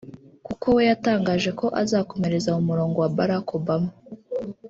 kuko we yatangaje ko azakomereza mu murongo wa Barack Obama